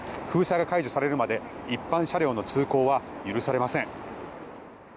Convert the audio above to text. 封鎖が解除されるまで一般車両の通行は許されません。